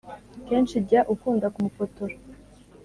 kenshi jya ukunda kumufotora